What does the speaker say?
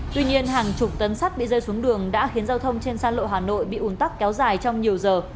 tuy nhiên hàng chục tấn sắt bị rơi xuống đường đã khiến giao thông trên xa lộ hà nội bị ủn tắc kéo dài trong nhiều giờ